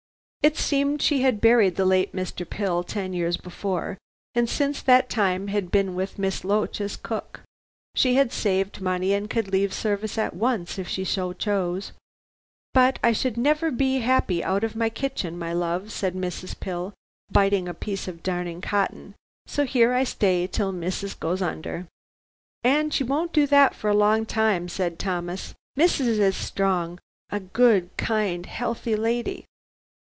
It seemed she had buried the late Mr. Pill ten years before, and since that time had been with Miss Loach as cook. She had saved money and could leave service at once, if she so chose. "But I should never be happy out of my kitchen, my love," said Mrs. Pill, biting a piece of darning cotton, "so here I stay till missus goes under." "And she won't do that for a long time," said Thomas. "Missus is strong. A good, kind, healthy lady."